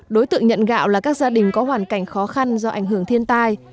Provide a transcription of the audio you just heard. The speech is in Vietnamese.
đối tượng nhận gạo là các gia đình có hoàn cảnh khó khăn do ảnh hưởng thiên tai